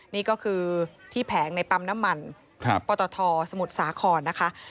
นี่ก็คือที่แผงในปั๊มน้ำมันปตทสมุทรสาครนะคะ